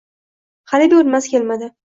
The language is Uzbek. Hali buyurtmasi kelmadi